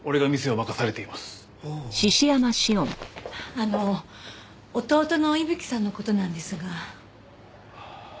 あの弟の伊吹さんの事なんですが。